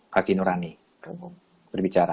hati nurani berbicara